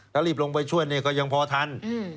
ถ้ารีบลงไปช่วยเขายังพอทัน